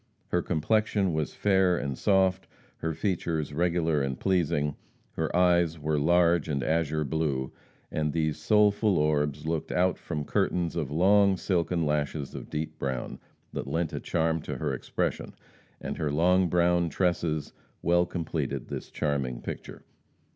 Her complexion was fair and soft, her features regular and pleasing, her eyes were large and azure blue, and these soulful orbs looked out from curtains of long silken lashes of deep brown, that lent a charm to their expression, and her long brown tresses well completed this charming picture.